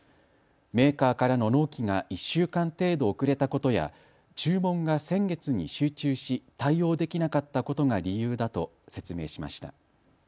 メーカーからの納期が１週間程度遅れたことや注文が先月に集中し対応できなかったことが理由だと説明しました。